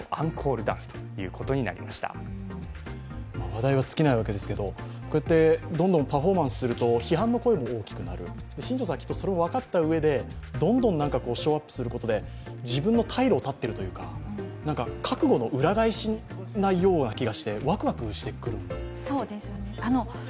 話題は尽きないわけですけれどもこうやってどんどんパフォーマンスすると批判の声も大きくなる新庄さん、それも分かったうえでどんどんショーアップすることで自分の退路を断ってるというか覚悟の裏返しなような気がしてワクワクしてくるんです。